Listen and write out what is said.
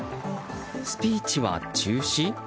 スピーチは中止？